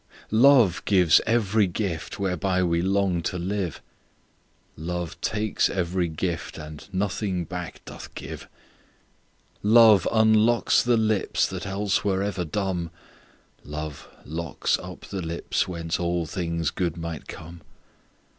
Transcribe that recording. Love gives every gift whereby we long to live "Love takes every gift, and nothing back doth give." Love unlocks the lips that else were ever dumb: "Love locks up the lips whence all things good might come."